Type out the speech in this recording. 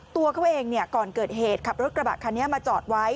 ตัวเขาเองก่อนเกิดเหตุขับรถกระบะคันนี้มาจอดไว้